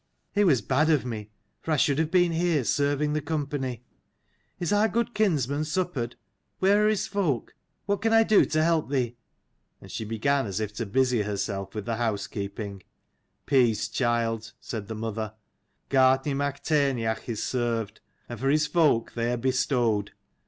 It was bad of me, for I should have been here serving the company. Is our good kinsman suppered? Where are his folk? What can I do to help thee?" and she began as if to busy herself with the housekeeping. "Peace, child," said the mother. "Gart naidh mac Tairneach is served, and for his folk, they are bestowed.